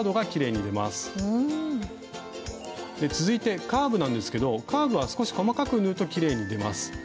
続いてカーブなんですけどカーブは少し細かく縫うときれいに出ます。